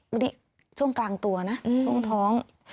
วันนี้ช่วงกลางตัวนะช่วงท้อง